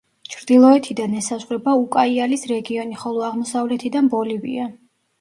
ჩრდილოეთიდან ესაზღვრება უკაიალის რეგიონი, ხოლო აღმოსავლეთიდან ბოლივია.